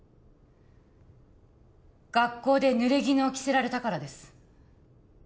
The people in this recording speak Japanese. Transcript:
学校でぬれぎぬを着せられたからです